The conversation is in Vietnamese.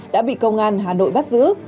đã bị công an hà nội bắt giữ